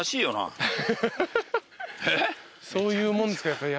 そういうもんですから。